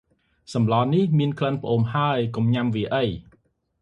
សម្លនេះ មានក្លិនផ្អូមហើយ កុំញ៉ាំវាអី ។